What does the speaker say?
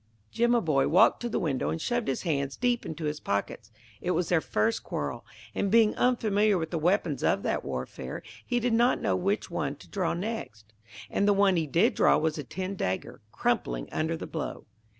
Jimaboy walked to the window and shoved his hands deep into his pockets. It was their first quarrel, and being unfamiliar with the weapons of that warfare, he did not know which one to draw next. And the one he did draw was a tin dagger, crumpling under the blow.